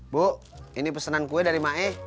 bu ini pesanan kue dari mae